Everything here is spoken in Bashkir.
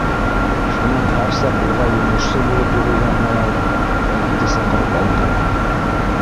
Шунан һәр саҡ уға йомошсо булып йөрөгән малай Фәритте саҡырып алды.